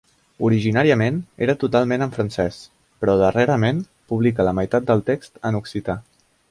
Originàriament era totalment en francès, però darrerament publica la meitat del text en occità.